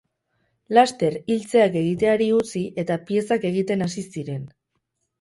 Laster iltzeak egiteari utzi, eta piezak egiten hasi ziren.